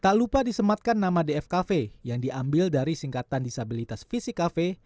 tak lupa disematkan nama df kafe yang diambil dari singkatan disabilitas fisik cafe